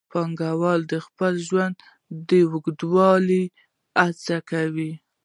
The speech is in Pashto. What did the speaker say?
پانګوال د خپل ژوند د اوږدولو هڅه کوي